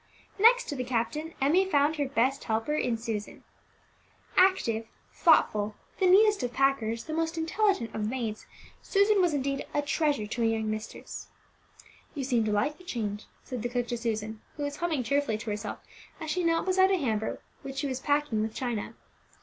Next to the captain, Emmie found her best helper in Susan. Active, thoughtful, the neatest of packers, the most intelligent of maids, Susan was indeed "a treasure" to her young mistress. "You seem to like the change," said the cook to Susan, who was humming cheerfully to herself as she knelt beside a hamper which she was packing with china.